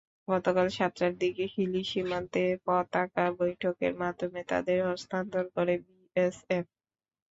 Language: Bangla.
গতকাল সাতটার দিকে হিলি সীমান্তে পতাকা বৈঠকের মাধ্যমে তাঁদের হস্তান্তর করে বিএসএফ।